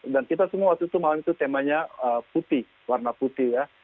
dan kita semua waktu itu malam itu temanya putih warna putih